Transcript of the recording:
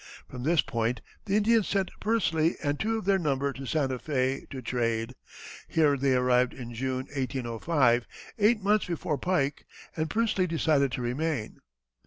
From this point the Indians sent Pursley and two of their number to Santa Fé to trade. Here they arrived in June, 1805, eight months before Pike, and Pursley decided to remain.